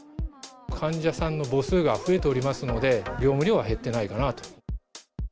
患者さんの母数が増えておりますので、業務量は減ってないかなと。